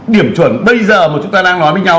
điểm chuẩn bây giờ mà chúng ta đang nói với nhau